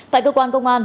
tại cơ quan công an